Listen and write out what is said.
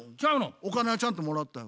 お金はちゃんともらったよ。